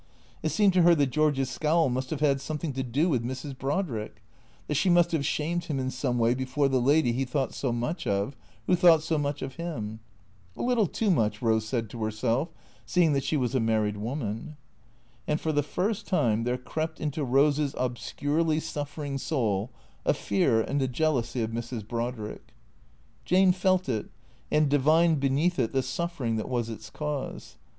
It seemed to her that George's scowl must have had something to do with Mrs. Brodrick ; that she must have shamed him in some way be fore the lady he thought so much of, who thought so much of him. A little too much, Eose said to herself, seeing that she was a married woman. And for the first time there crept into Eose's obscurely suffer ing soul, a fear and a jealousy of Mrs. Brodrick. Jane felt it, and divined beneath it the suffering that was its cause.